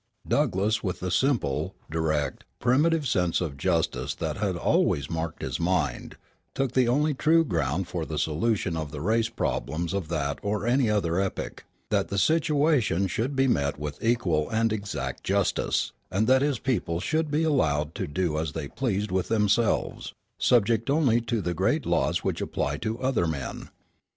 Douglass, with the simple, direct, primitive sense of justice that had always marked his mind, took the only true ground for the solution of the race problems of that or any other epoch, that the situation should be met with equal and exact justice, and that his people should be allowed to do as they pleased with themselves, "subject only to the same great laws which apply to other men."